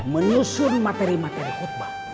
menyusun materi materi khutbah